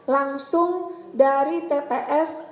langsung dari tps